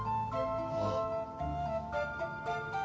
ああ。